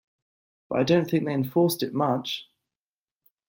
But I don't think they enforced it much.